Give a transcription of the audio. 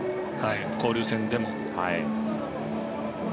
交流戦でも。